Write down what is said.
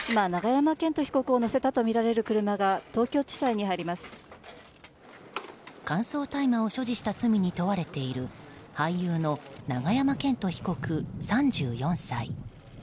今、永山絢斗被告を乗せたとみられる車が乾燥大麻を所持した罪に問われている俳優の永山絢斗被告、３４歳。